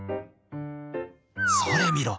「それ見ろ！